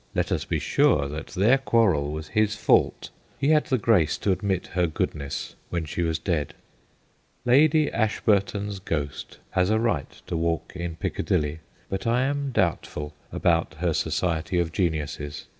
Let us be sure that their quarrel was his fault ; he had the grace to admit her goodness when she was dead. Lady Ashburton's ghost has a right to walk in Piccadilly. But I am doubtful about her society of geniuses.